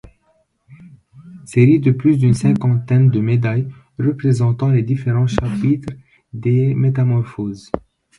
Série de plus d'une cinquantaine de médailles représentant les différents chapitres des métamorphoses.